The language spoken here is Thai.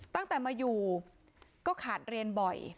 ตั้งแต่มาอยู่ก็ขาดเรียนบ่อย